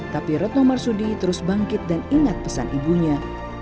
tapi retno marsudi terus bangkit dan ingat pesan ibunya